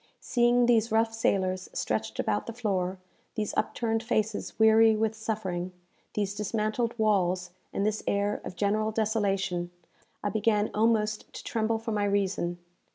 Seeing these rough sailors stretched about the floor, these upturned faces weary with suffering, these dismantled walls, and this air of general desolation, I began almost to tremble for my reason.